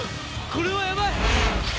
これはやばい！